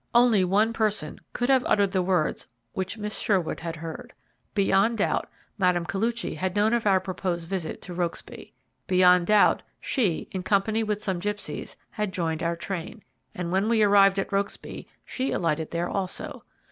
Only one person could have uttered the words which Miss Sherwood had heard. Beyond doubt, Madame Koluchy had known of our proposed visit to Rokesby. Beyond doubt, she, in company with some gipsies, had joined our train, and when we arrived at Rokesby, she alighted there also.